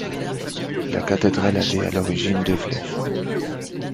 La cathédrale avait à l'origine deux flèches.